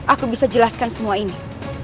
aku bisa jelaskan semua ini